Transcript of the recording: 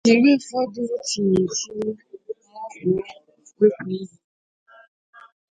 mgbe ụfọdụ o tinye etinye maọbụ wepu ihe